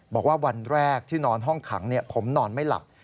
บอกว่าวันแรกที่นอนห้องขังผมนอนไม่หลับ